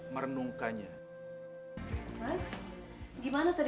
baru ada yang bangga